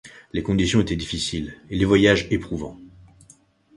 Les conditions étaient difficiles et les voyages éprouvants.